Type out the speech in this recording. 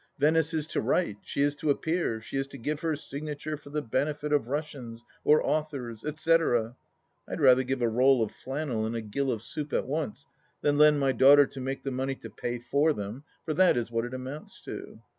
Venice is to write, she is to appear, she is to give her signature for the benefit of Russians, or authors, etc. ! I'd rather give a roll of flannel and a giU of soup at once than lend my daughter to make the money to pay for them, for that is what it amounts to